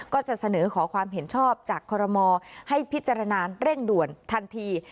ก็จะเสนอขอความเห็นชอบจากคอรมอให้พิจารณาเร่งด่วนทันที